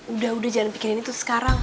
udah udah jalan pikirin itu sekarang